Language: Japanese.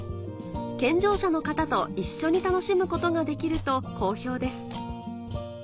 健常者の方と一緒に楽しむことができると好評です